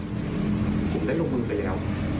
ผมได้ลงมือไปแล้ว